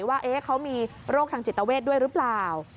ว่าเขามีโรคทางจิตเวทด้วยหรือเปล่า